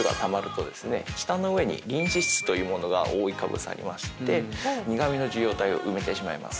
舌の上にリン脂質というものが覆いかぶさりまして苦味の受容体を埋めてしまいます。